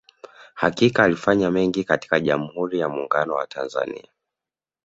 Hakika alifanya mengi katika Jamuhuri ya Muuungano wa Tanzania